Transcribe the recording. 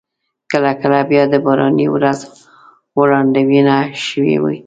کله کله بیا د باراني ورځ وړاندوينه شوې وي.